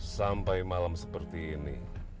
sampai malam seperti ini